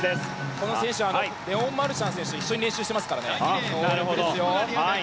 この選手はレオン・マルシャン選手と一緒に練習してますからね。